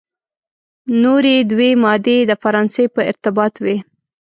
نوري دوې مادې د فرانسې په ارتباط وې.